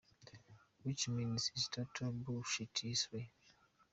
which means its total bullshit his story.